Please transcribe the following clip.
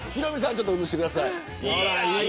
ちょっと映してください。